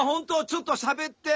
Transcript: ちょっとしゃべって。